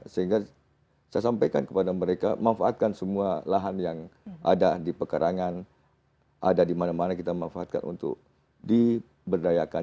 sehingga saya sampaikan kepada mereka manfaatkan semua lahan yang ada di pekarangan ada di mana mana kita manfaatkan untuk diberdayakan